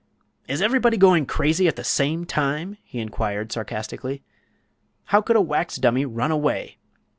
"Is everybody going crazy at the same time?" he inquired, sarcastically. "How could a wax dummy run away?"